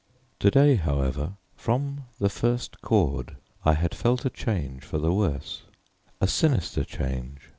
To day, however, from the first chord I had felt a change for the worse, a sinister change.